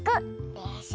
でしょ？